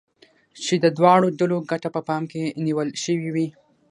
چې د دواړو ډلو ګټه په پام کې نيول شوې وي.